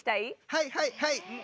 はいはいはい！